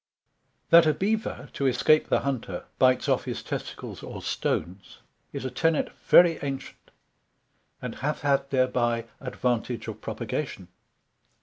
THAT a Bever to escape the Hunter, bites off his testicles or stones, is a Tenet very ancient; and hath had thereby advantage of propagation.